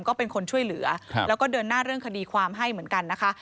ก็เป็นคนช่วยเหลือแล้วก็เดินหน้าเรื่องคดีความให้เหมือนกันนะคะ